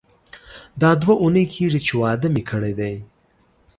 دا دوه اونۍ کیږي چې واده مې کړی دی.